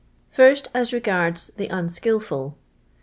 First, as regards the nnshilfiil.